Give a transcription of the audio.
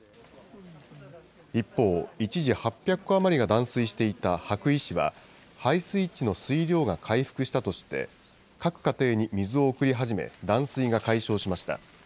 一方、一時８００戸余りが断水していた羽咋市は、配水池の水量が回復したとして、各家庭に水を送り始め、断水が解消しました。